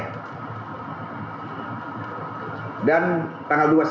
untuk mengamankan seluruh anak buah saya